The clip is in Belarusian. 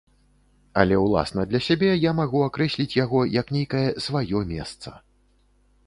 Але ўласна для сябе я магу акрэсліць яго як нейкае сваё месца.